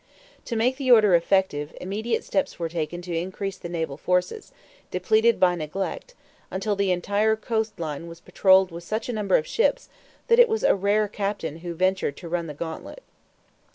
To make the order effective, immediate steps were taken to increase the naval forces, depleted by neglect, until the entire coast line was patrolled with such a number of ships that it was a rare captain who ventured to run the gantlet.